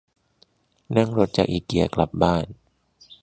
นั่งรถจากอิเกียกลับบ้าน